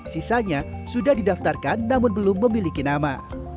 sisanya sudah didaftarkan namun belum memiliki nama